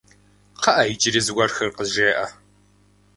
Кхъыӏэ, иджыри зыгуэрхэр къызжеӏэ.